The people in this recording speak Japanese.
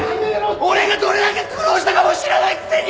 俺がどれだけ苦労したかも知らないくせに！